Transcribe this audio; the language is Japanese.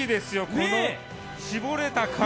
この絞れた体。